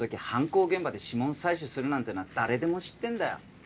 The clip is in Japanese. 犯行現場で指紋採取するなんてのは誰でも知ってんだよ。